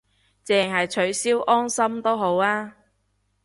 淨係取消安心都好吖